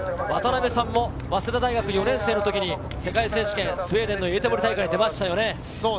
渡辺さんも早稲田大学４年生の時に世界選手権、スウェーデンのイエテボリ大会に出ましたよね。